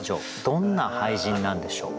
どんな俳人なんでしょう？